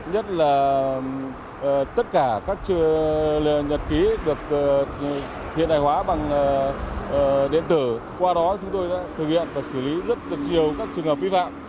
nhất là tất cả các nhật ký được hiện đại hóa bằng điện tử qua đó chúng tôi đã thực hiện và xử lý rất nhiều các trường hợp vi phạm